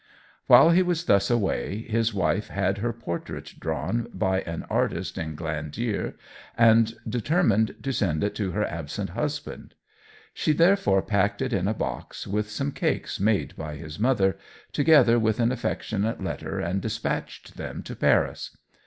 While he was thus away, his wife had her portrait drawn by an artist in Glandier, and determined to send it to her absent husband. She therefore packed it in a box, with some cakes made by his mother, together with an affectionate letter, and despatched them to Paris.